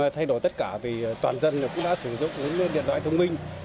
thay đổi tất cả vì toàn dân cũng đã sử dụng những điện thoại thông minh